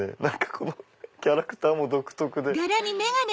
このキャラクターも独特で。